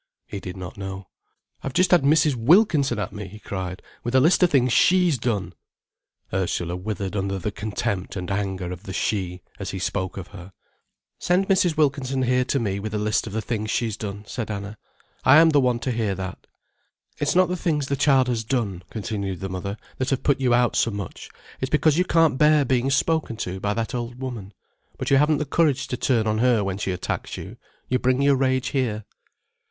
He did not know. "I've just had Mrs. Wilkinson at me," he cried, "with a list of things she's done." Ursula withered under the contempt and anger of the "she", as he spoke of her. "Send Mrs. Wilkinson here to me with a list of the things she's done," said Anna. "I am the one to hear that." "It's not the things the child has done," continued the mother, "that have put you out so much, it's because you can't bear being spoken to by that old woman. But you haven't the courage to turn on her when she attacks you, you bring your rage here."